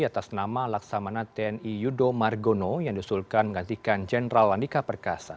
atas nama laksamana tni yudo margono yang diusulkan menggantikan jenderal andika perkasa